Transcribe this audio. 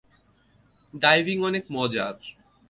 Diving অনেক মজার।